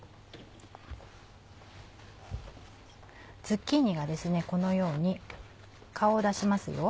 ズッキーニがこのように顔を出しますよ。